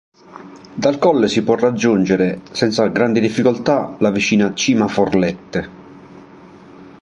Dal colle si può raggiungere senza grandi difficoltà la vicina Cima Ferlette.